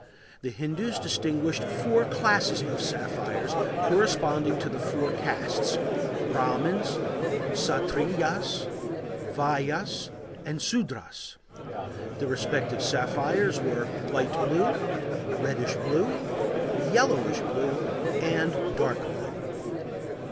The Hindus distinguished four classes of sapphires, corresponding to the four castes: Brahmins, Kshatriyas, Vaisyas, and Sudras. The respective sapphires were light blue, reddish blue, yellowish blue, and dark blue.